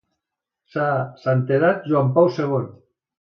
Sa Santedat Joan Pau segon.